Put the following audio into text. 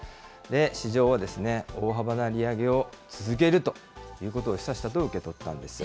市場は大幅な利上げを続けるということを示唆したと受け取ったんです。